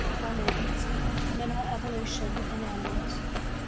Romanes' Mental Evolution in Animals."